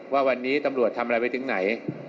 ว่าวันนี้ตำรวจทำอะไรไปถึงไหน